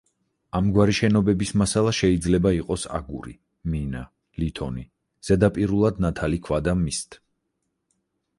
ამგვარი შენობების მასალა შეიძლება იყოს აგური, მინა, ლითონი, ზედაპირულად ნათალი ქვა და მისთ.